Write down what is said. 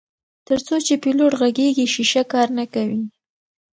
تر څو چې پیلوټ غږیږي شیشه کار نه کوي.